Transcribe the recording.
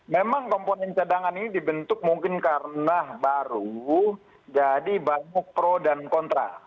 memang komponen cadangan ini dibentuk mungkin karena baru jadi banyak pro dan kontra